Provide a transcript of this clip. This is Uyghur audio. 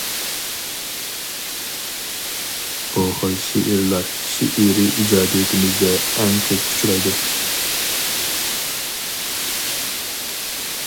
بۇ خىل شېئىرلار شېئىرىي ئىجادىيىتىمىزدە ئەڭ كۆپ ئۇچرايدۇ.